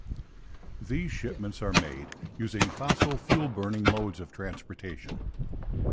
These shipments are made using fossil fuel burning modes of transportation.